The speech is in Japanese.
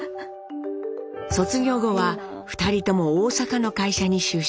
卒業後は２人とも大阪の会社に就職。